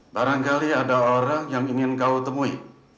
barangkali ada orang yang ingin kau temui